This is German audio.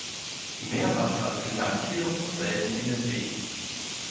Meerwasser gelangt jedoch nur selten in den See.